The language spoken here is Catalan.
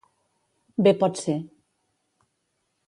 Bé pot ser.